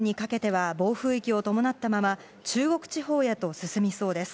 夜にかけては暴風域を伴ったまま、中国地方へと進みそうです。